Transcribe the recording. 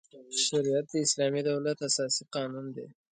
شریعت د اسلامي دولت اساسي قانون دی.